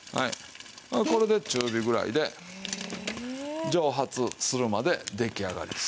これで中火ぐらいで蒸発するまで出来上がりです。